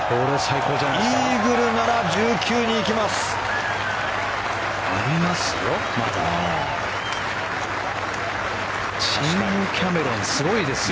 イーグルなら１９に行きます。